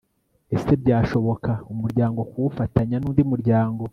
ese byashoboka umuryango kuwufatanya n'undi muryango